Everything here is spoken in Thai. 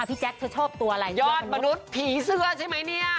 ผีเสื้อใช่ไหมเนี่ย